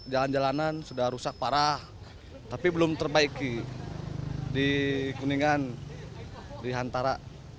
jalan jalanan sudah rusak parah tapi belum terbaiki di kuningan di hantara